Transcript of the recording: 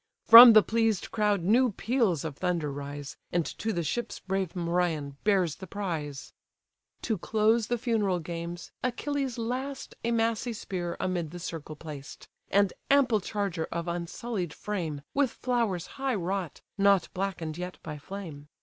From the pleased crowd new peals of thunder rise, And to the ships brave Merion bears the prize. To close the funeral games, Achilles last A massy spear amid the circle placed, And ample charger of unsullied frame, With flowers high wrought, not blacken'd yet by flame.